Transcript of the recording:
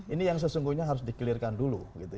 ini yang sesungguhnya harus di clear kan dulu